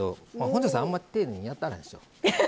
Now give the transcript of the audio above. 本上さん、あんまり丁寧にやらないでしょ。